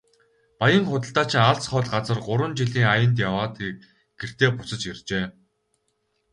Баян худалдаачин алс хол газар гурван жилийн аянд яваад гэртээ буцаж иржээ.